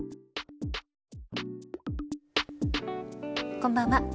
こんばんは。